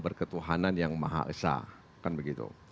berketuhanan yang maha esah